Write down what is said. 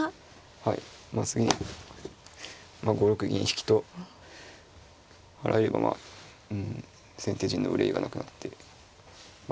はいまあ次に５六銀引と払えばまあ先手陣の憂いがなくなってまあ